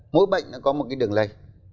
mỗi bệnh nó có một cái đường lây